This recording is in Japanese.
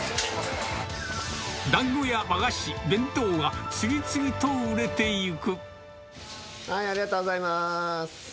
だんごや和菓子、弁当が次々ありがとうございます。